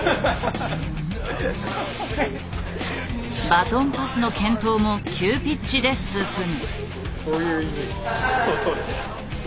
バトンパスの検討も急ピッチで進む。